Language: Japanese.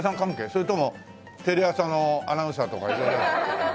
それともテレ朝のアナウンサーとか色々。